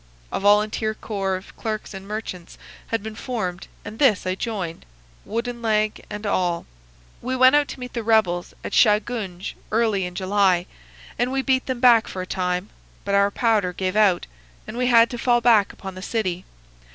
A volunteer corps of clerks and merchants had been formed, and this I joined, wooden leg and all. We went out to meet the rebels at Shahgunge early in July, and we beat them back for a time, but our powder gave out, and we had to fall back upon the city.